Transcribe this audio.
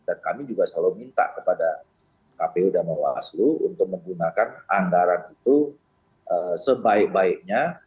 dan kami juga selalu minta kepada kpu dan warga asli untuk menggunakan anggaran itu sebaik baiknya